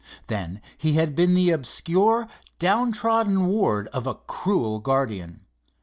Then he had been the obscure down trodden ward of a cruel guardian.